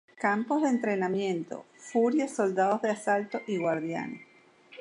Campos de entrenamiento:furias, soldados de asalto y guardianes.